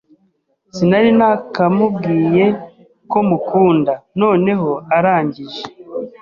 sinari nakamubwiye ko mukunda noneho arangij